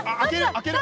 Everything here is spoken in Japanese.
開ける？